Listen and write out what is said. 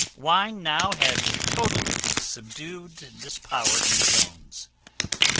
Wine now had totally subdued this power in Jones.